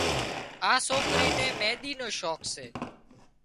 آ سوڪري نين مينۮِي نو شوق سي